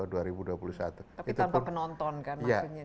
tapi tanpa penonton kan maksudnya